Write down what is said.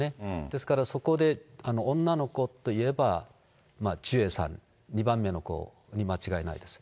ですから、そこで女の子といえばジュエさん、２番目の子に間違いないです。